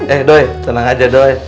eh doi tenang aja doi